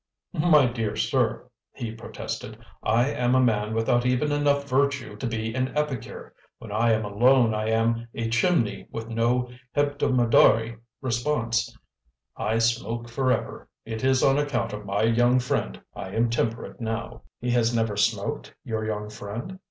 "My dear sir," he protested, "I am a man without even enough virtue to be an epicure. When I am alone I am a chimney with no hebdomadary repose; I smoke forever. It is on account of my young friend I am temperate now." "He has never smoked, your young friend?"